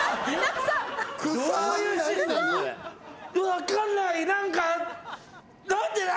分かんない何か何でだ？